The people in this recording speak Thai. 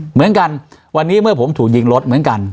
เหมือนกันวันนี้เมื่อผมถูกยิงรถเหมือนกัน